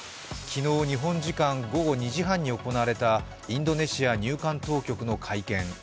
昨日日本時間午後２時半に行われたインドネシア入管当局の会見。